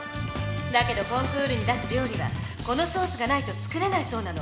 だけどコンクールに出す料理はこのソースがないと作れないそうなの。